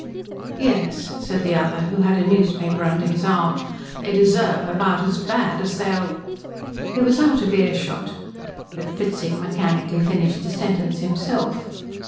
"Yes," said the other, who had a newspaper under his arm, "they deserve about as bad as they'll " He was out of ear shot; but Fritzing mechanically finished the sentence himself.